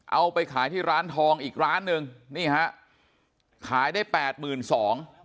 เอาไปขายที่ร้านทองอีกร้านหนึ่งนี่ฮะขายได้แปดหมื่นสอง